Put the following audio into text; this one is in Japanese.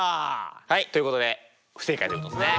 はいということで不正解ということですね。